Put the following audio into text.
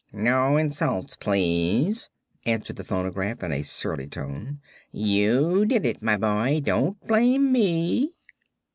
"No insults, please," answered the phonograph in a surly tone. "You did it, my boy; don't blame me."